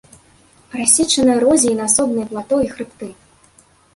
Рассечана эрозіяй на асобныя плато і хрыбты.